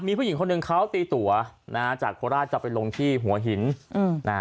มีผู้หญิงคนหนึ่งเขาตีตัวนะฮะจากโคราชจะไปลงที่หัวหินอืมนะฮะ